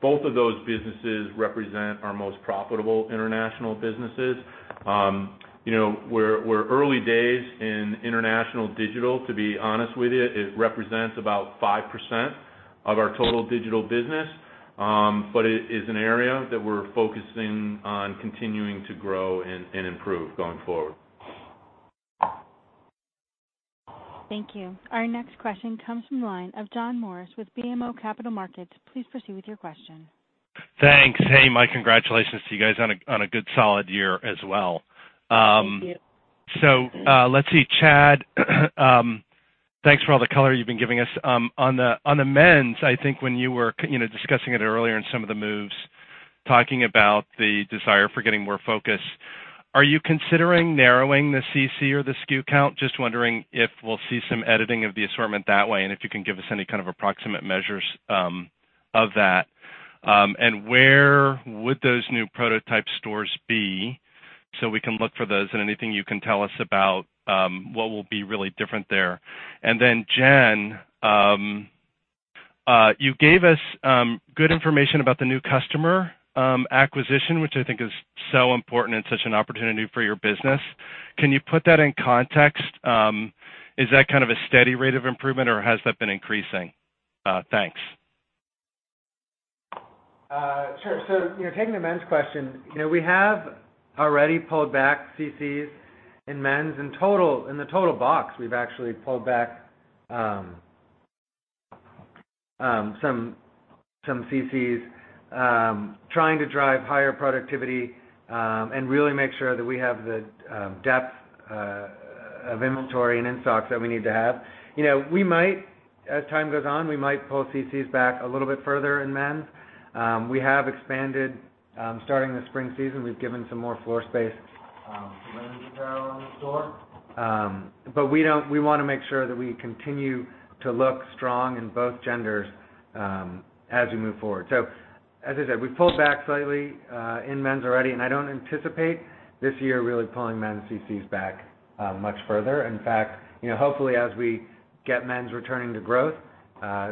Speaker 6: both of those businesses represent our most profitable international businesses. We're early days in international digital, to be honest with you. It represents about 5% of our total digital business. It is an area that we're focusing on continuing to grow and improve going forward.
Speaker 1: Thank you. Our next question comes from the line of John Morris with BMO Capital Markets. Please proceed with your question.
Speaker 15: Thanks. Hey, my congratulations to you guys on a good solid year as well.
Speaker 5: Thank you.
Speaker 15: Let's see. Chad, thanks for all the color you've been giving us. On the men's, when you were discussing it earlier in some of the moves, talking about the desire for getting more focus. Are you considering narrowing the CC or the SKU count? Just wondering if we'll see some editing of the assortment that way, and if you can give us any kind of approximate measures of that. Where would those new prototype stores be, so we can look for those and anything you can tell us about what will be really different there. Jen, you gave us good information about the new customer acquisition, which is so important and such an opportunity for your business. Can you put that in context? Is that a steady rate of improvement or has that been increasing? Thanks.
Speaker 4: Sure. Taking the men's question, we have already pulled back CCs in men's. In the total box, we've actually pulled back some CCs trying to drive higher productivity and really make sure that we have the depth of inventory and in-stocks that we need to have. As time goes on, we might pull CCs back a little bit further in men's. We have expanded starting the spring season. We've given some more floor space to the women's apparel in the store. We want to make sure that we continue to look strong in both genders as we move forward. As I said, we've pulled back slightly in men's already, and I don't anticipate this year really pulling men's CCs back much further. In fact, hopefully, as we get men's returning to growth,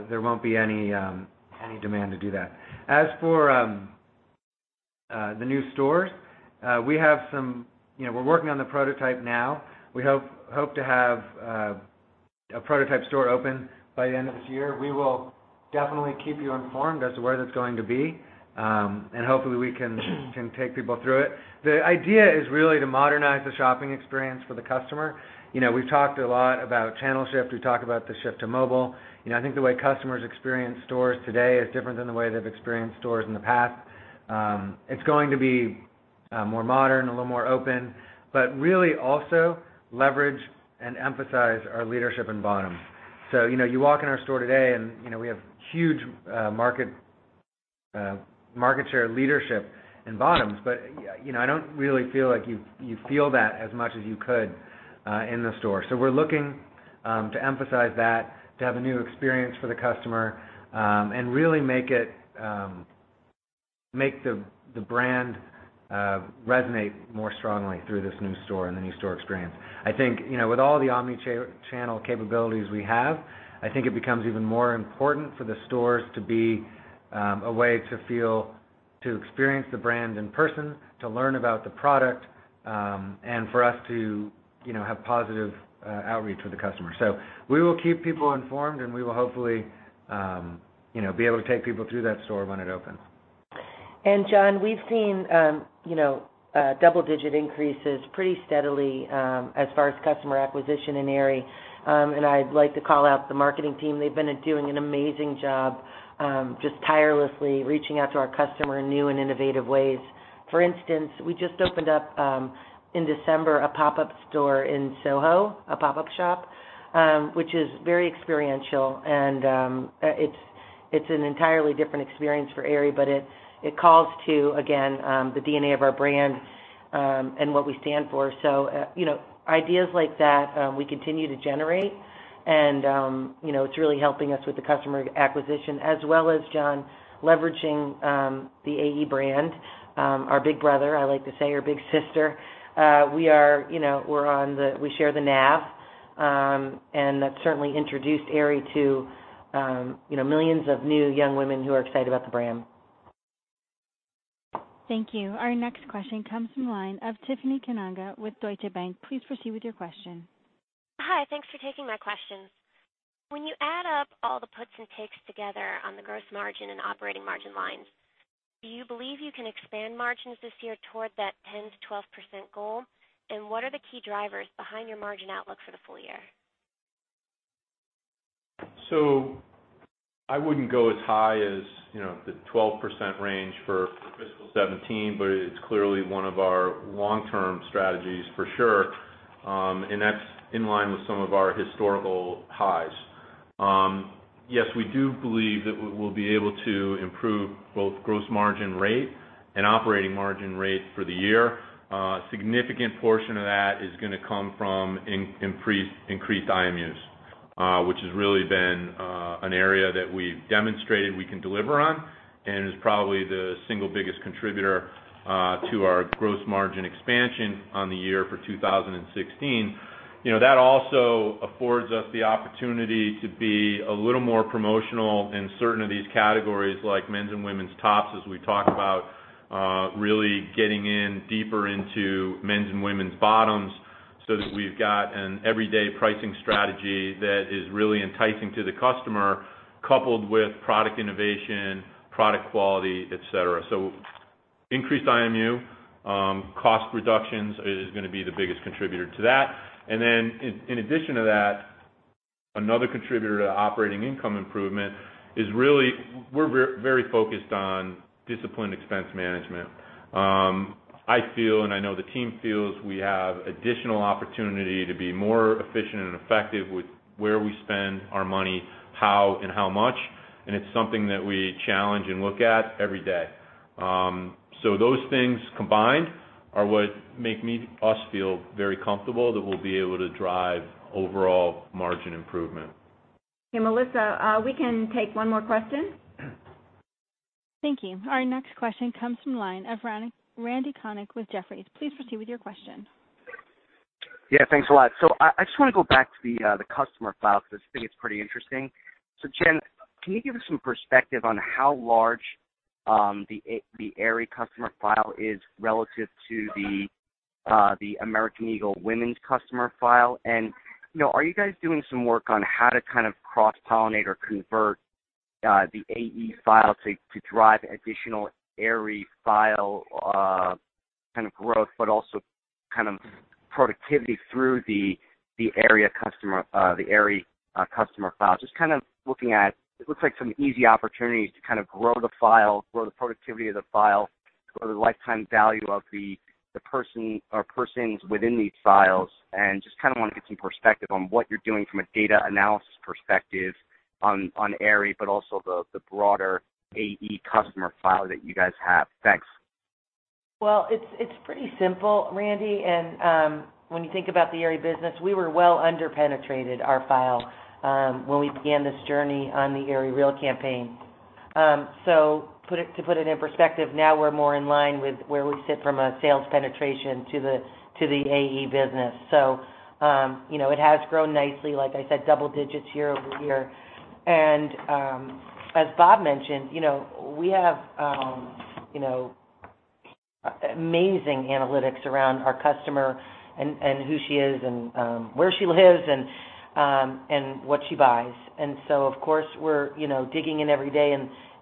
Speaker 4: there won't be any demand to do that. As for the new stores, we're working on the prototype now. We hope to have a prototype store open by the end of this year. We will definitely keep you informed as to where that's going to be, and hopefully, we can take people through it. The idea is really to modernize the shopping experience for the customer. We've talked a lot about channel shift. We've talked about the shift to mobile. The way customers experience stores today is different than the way they've experienced stores in the past. It's going to be more modern, a little more open, but really also leverage and emphasize our leadership in bottoms. You walk in our store today, and we have huge market share leadership in bottoms, but I don't really feel like you feel that as much as you could in the store. We're looking to emphasize that, to have a new experience for the customer, and really make the brand resonate more strongly through this new store and the new store experience. With all the omni-channel capabilities we have, it becomes even more important for the stores to be a way to experience the brand in person, to learn about the product, and for us to have positive outreach with the customer. We will keep people informed, and we will hopefully be able to take people through that store when it opens.
Speaker 5: John, we've seen double-digit increases pretty steadily as far as customer acquisition in Aerie. I'd like to call out the marketing team. They've been doing an amazing job just tirelessly reaching out to our customer in new and innovative ways. For instance, we just opened up, in December, a pop-up store in SoHo, a pop-up shop, which is very experiential, and it's an entirely different experience for Aerie. It calls to, again, the DNA of our brand, and what we stand for. Ideas like that we continue to generate, and it's really helping us with the customer acquisition as well as, John, leveraging the AE brand. Our big brother, I like to say, or big sister. We share the nav. That certainly introduced Aerie to millions of new young women who are excited about the brand.
Speaker 1: Thank you. Our next question comes from the line of Tiffany Kanaga with Deutsche Bank. Please proceed with your question.
Speaker 16: Hi. Thanks for taking my questions. When you add up all the puts and takes together on the gross margin and operating margin lines, do you believe you can expand margins this year toward that 10%-12% goal? What are the key drivers behind your margin outlook for the full year?
Speaker 6: I wouldn't go as high as the 12% range for fiscal 2017, it's clearly one of our long-term strategies for sure. That's in line with some of our historical highs. Yes, we do believe that we'll be able to improve both gross margin rate and operating margin rate for the year. A significant portion of that is gonna come from increased IMUs, which has really been an area that we've demonstrated we can deliver on and is probably the single biggest contributor to our gross margin expansion on the year for 2016. That also affords us the opportunity to be a little more promotional in certain of these categories, like men's and women's tops, as we talk about really getting in deeper into men's and women's bottoms so that we've got an everyday pricing strategy that is really enticing to the customer, coupled with product innovation, product quality, et cetera. Increased IMU, cost reductions is gonna be the biggest contributor to that. In addition to that, another contributor to operating income improvement is really we're very focused on disciplined expense management. I feel, and I know the team feels, we have additional opportunity to be more efficient and effective with where we spend our money, how, and how much, and it's something that we challenge and look at every day. Those things combined are what make us feel very comfortable that we'll be able to drive overall margin improvement.
Speaker 5: Okay, Melissa, we can take one more question.
Speaker 1: Thank you. Our next question comes from the line of Randal Konik with Jefferies. Please proceed with your question.
Speaker 17: Thanks a lot. I just want to go back to the customer file because I think it's pretty interesting. Jen, can you give us some perspective on how large the Aerie customer file is relative to the American Eagle women's customer file? Are you guys doing some work on how to cross-pollinate or convert the AE file to drive additional Aerie file growth, also productivity through the Aerie customer file? Just looking at it looks like some easy opportunities to grow the file, grow the productivity of the file, grow the lifetime value of the person or persons within these files. Just want to get some perspective on what you're doing from a data analysis perspective on Aerie, also the broader AE customer file that you guys have. Thanks.
Speaker 5: It's pretty simple, Randy. When you think about the Aerie business, we were well under-penetrated, our file, when we began this journey on the Aerie Real campaign. To put it in perspective, now we're more in line with where we sit from a sales penetration to the AE business. It has grown nicely, like I said, double digits year-over-year. As Bob mentioned, we have amazing analytics around our customer and who she is and where she lives and what she buys. Of course we're digging in every day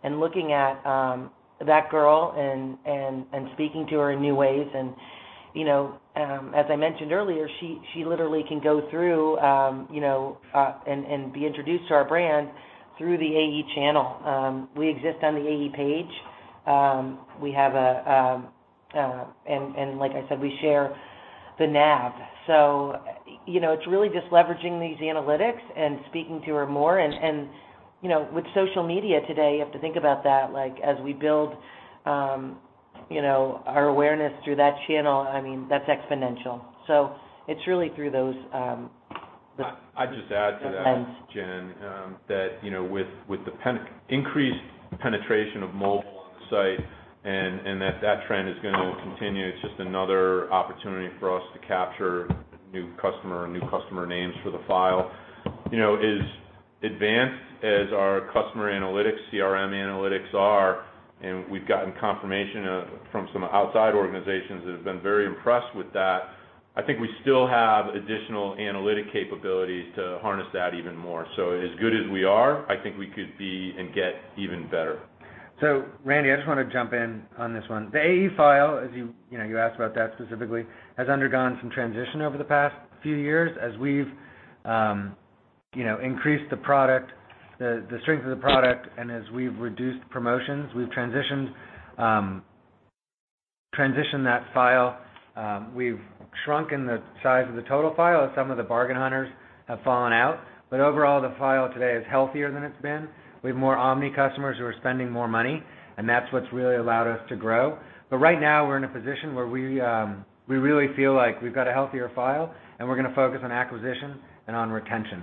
Speaker 5: and looking at that girl and speaking to her in new ways. As I mentioned earlier, she literally can go through and be introduced to our brand through the AE channel. We exist on the AE page. Like I said, we share the nav. It's really just leveraging these analytics and speaking to her more. With social media today, you have to think about that. As we build our awareness through that channel, that's exponential. It's really through those.
Speaker 6: I'd just add to that, Jen, that with the increased penetration of mobile on the site and that trend is going to continue, it's just another opportunity for us to capture new customer names for the file. As advanced as our customer analytics, CRM analytics are, and we've gotten confirmation from some outside organizations that have been very impressed with that, I think we still have additional analytic capabilities to harness that even more. As good as we are, I think we could be and get even better.
Speaker 4: Randy, I just want to jump in on this one. The AE file, you asked about that specifically, has undergone some transition over the past few years as we've increased the strength of the product and as we've reduced promotions. We've transitioned that file. We've shrunken the size of the total file as some of the bargain hunters have fallen out. Overall, the file today is healthier than it's been. We have more omni customers who are spending more money, and that's what's really allowed us to grow. Right now, we're in a position where we really feel like we've got a healthier file, and we're going to focus on acquisition and on retention.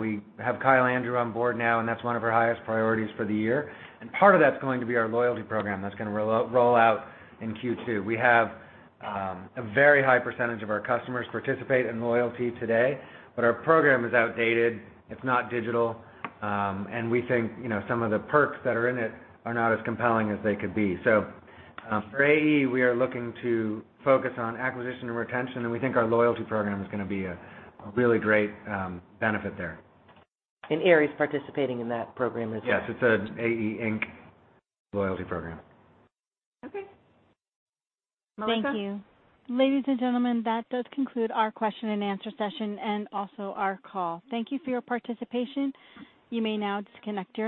Speaker 4: We have Kyle Andrew on board now, and that's one of our highest priorities for the year. Part of that's going to be our loyalty program that's going to roll out in Q2. We have a very high % of our customers participate in loyalty today, but our program is outdated. It's not digital. We think some of the perks that are in it are not as compelling as they could be. For AE, we are looking to focus on acquisition and retention, and we think our loyalty program is going to be a really great benefit there.
Speaker 5: Aerie's participating in that program as well.
Speaker 4: Yes, it's an AE Inc. loyalty program.
Speaker 2: Okay. Melissa?
Speaker 1: Thank you. Ladies and gentlemen, that does conclude our question and answer session and also our call. Thank you for your participation. You may now disconnect.